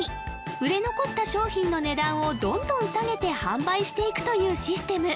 売れ残った商品の値段をどんどん下げて販売していくというシステム